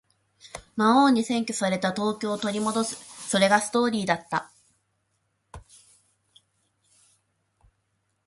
魔王に占拠された東京を取り戻す。それがストーリーだった。